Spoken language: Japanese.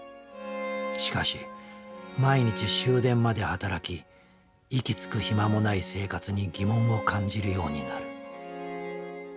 しかし毎日終電まで働き息つく暇もない生活に疑問を感じるようになる。